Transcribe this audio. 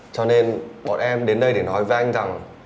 cho nên bọn em đến đây để nói với anh rằng